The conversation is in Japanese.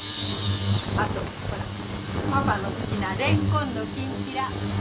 あとほらパパの好きなレンコンのきんぴら。